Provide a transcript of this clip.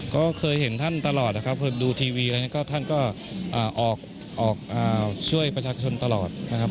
ก็เคยเห็นท่านตลอดนะครับดูทีวีแล้วก็ท่านก็ออกช่วยประชาชนตลอดนะครับ